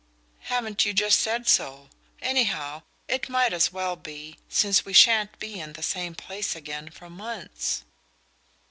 "Haven't you just said so? Anyhow, it might as well be, since we shan't be in the same place again for months."